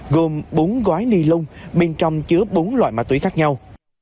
gồm bốn gói ni lông bên trong chứa bốn loại ma túy khác nhau